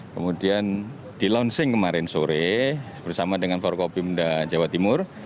kemudian di launching kemarin sore bersama dengan forkopimda jawa timur